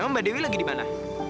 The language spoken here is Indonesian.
mbak dewi lagi di mana